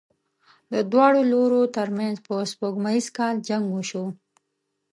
د دواړو لورو تر منځ په سپوږمیز کال جنګ وشو.